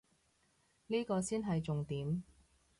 呢個先係重點